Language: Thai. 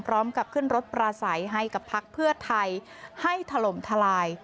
พร้อมกับขึ้นรถปราศัยให้กับพักเพื่อไทยให้ถล่มทลาย